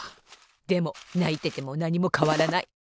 でもないててもなにもかわらない！